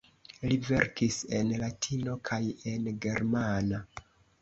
Li verkis en latino kaj en germana.